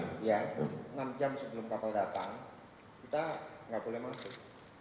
iya enam jam sebelum kapal datang kita nggak boleh masuk